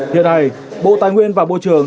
hiện nay bộ tài nguyên và bộ trường